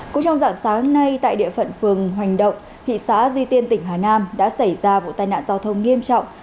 cũng trong dạng sáng nay tại địa phận phường hoành động thị xã duy tiên tỉnh hà nam đã xảy ra vụ tai nạn giao thông nghiêm trọng